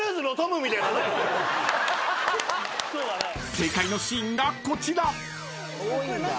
［正解のシーンがこちら］